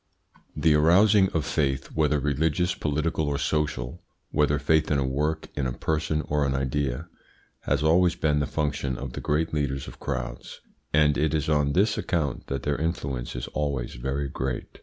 The arousing of faith whether religious, political, or social, whether faith in a work, in a person, or an idea has always been the function of the great leaders of crowds, and it is on this account that their influence is always very great.